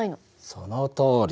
そのとおり。